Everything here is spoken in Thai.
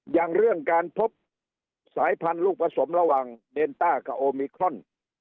อย่างเรื่องการพบสายพันธุ์ลูกผสมระหว่างเดนต้ากับโอมิครอน